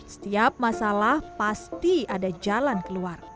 setiap masalah pasti ada jalan keluar